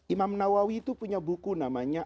imam nawawi itu punya buku namanya